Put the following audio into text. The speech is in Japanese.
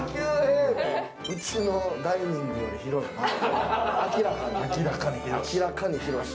うちのダイニングより広いな。